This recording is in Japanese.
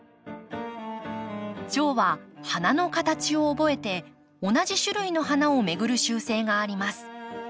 チョウは花の形を覚えて同じ種類の花を巡る習性があります。